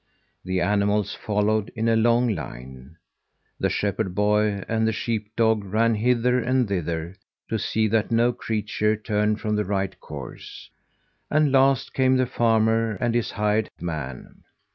The animals followed in a long line. The shepherd boy and the sheep dog ran hither and thither, to see that no creature turned from the right course; and last came the farmer and his hired man.